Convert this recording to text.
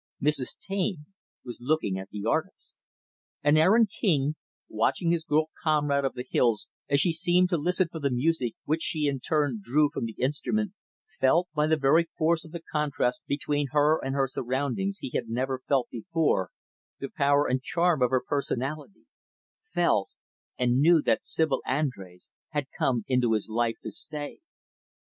Mrs. Taine was looking at the artist. And Aaron King, watching his girl comrade of the hills as she seemed to listen for the music which she in turn drew from the instrument, felt, by the very force of the contrast between her and her surroundings he had never felt before, the power and charm of her personality felt and knew that Sibyl Andrés had come into his life to stay.